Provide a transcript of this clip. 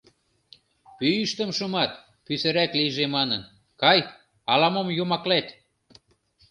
— Пӱйыштым шумат, пӱсырак лийже манын— Кай, ала-мом йомаклет!